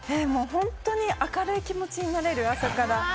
ホントに明るい気持ちになれる、朝から。